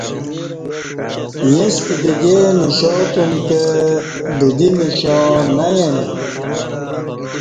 یݩستہ بدی مشاں تم کہ بدی مشانہ یینہ